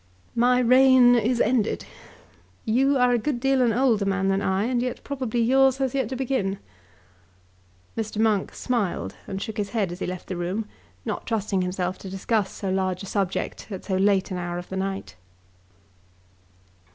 "My reign is ended. You are a good deal an older man than I, and yet probably yours has yet to begin." Mr. Monk smiled and shook his head as he left the room, not trusting himself to discuss so large a subject at so late an hour of the night.